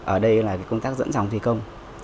ở đây là công tác dẫn dòng thi công